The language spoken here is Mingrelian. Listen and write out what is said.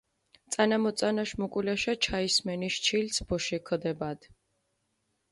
წანამოწანაშ მუკულაშა ჩაისმენიში ჩილცჷ ბოშიქ ქჷდებადჷ.